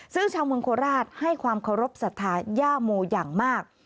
ซึ่งชาวเมืองโคราชให้ความเคารพสัทธาย่าโมอย่างมาก